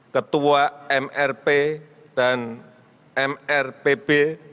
ketua mrp dan mrpb